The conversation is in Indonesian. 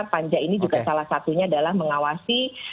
panja ini juga salah satunya adalah mengawasi